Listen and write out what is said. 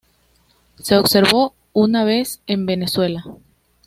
Se observó una vez en Venezuela.